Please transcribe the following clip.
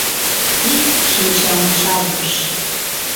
Ик шинчаончалтыш